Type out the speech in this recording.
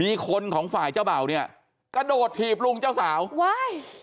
มีคนของฝ่ายเจ้าเบ่าเนี่ยกระโดดถีบลุงเจ้าสาวว้าย